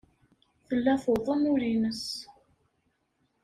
Tella tuḍen ul-nnes.